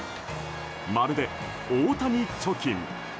まるで、大谷貯金。